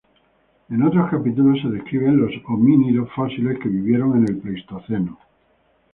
En otros capítulos se describen los homínidos fósiles que vivieron en el Pleistoceno.